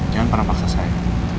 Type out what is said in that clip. jangan pernah paksa saya